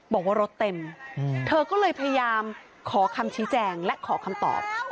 บอกว่ารถเต็มเธอก็เลยพยายามขอคำชี้แจงและขอคำตอบ